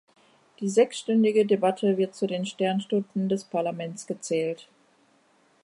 Die sechsstündige Debatte wird zu den Sternstunden des Parlaments gezählt.